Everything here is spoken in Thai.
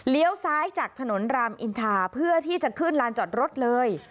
ซ้ายจากถนนรามอินทาเพื่อที่จะขึ้นลานจอดรถเลย